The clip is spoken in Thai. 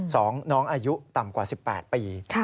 สองน้องอายุต่ำกว่า๑๘ปี